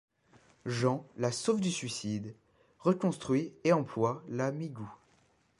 Jean la sauve du suicide, reconstruit et emploie la Migou.